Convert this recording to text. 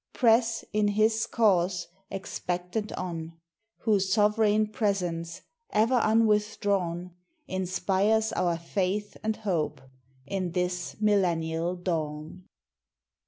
Press, in His cause, expectant on, Whose sovereign Presence, ever unwithdrawn Inspires our Faith and Hope, in this Millennial dawn.